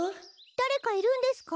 だれかいるんですか？